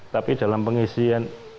tapi dalam pengisian